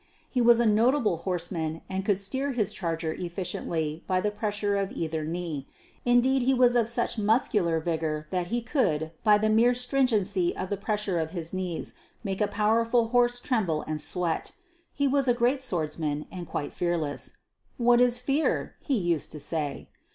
He was a notable horseman and could steer his charger efficiently by the pressure of either knee indeed he was of such muscular vigour that he could, by the mere stringency of the pressure of his knees, make a powerful horse tremble and sweat. He was a great swordsman, and quite fearless. 'What is fear?' he used to say.